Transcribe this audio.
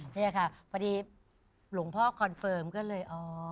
นี่ค่ะพอดีหลวงพ่อคอนเฟิร์มก็เลยอ๋อ